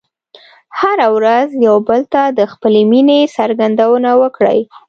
هره ورځ یو بل ته د خپلې مینې څرګندونه وکړئ.